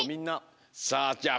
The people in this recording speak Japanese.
さあじゃあ